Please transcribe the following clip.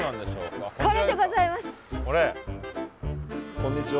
こんにちは。